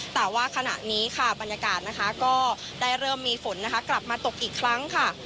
แต่ว่าขณะนี้ค่ะบรรยากาศนะคะก็ได้เริ่มมีฝนนะคะกลับมาตกอีกครั้งค่ะ